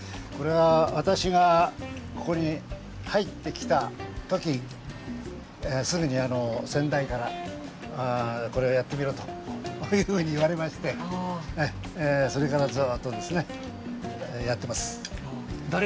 私がここに入ってきた時すぐに先代から、これをやってみろと言われましてそれから、ずっとやっています。